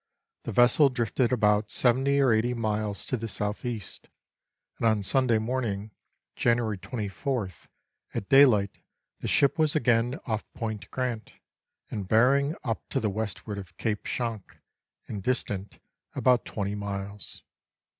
The vessel drifted about 70 or 80 miles to the south east, and on Sunday morning, January 24th, at daylight the ship was again off Point Grant, and bearing up to the westward of Cape Schanck, and distant about twenty miles.